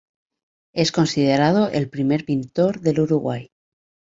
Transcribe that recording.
Es considerado el primer pintor del Uruguay.